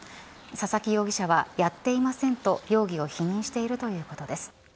佐々木容疑者はやっていませんと容疑を否認しているということです。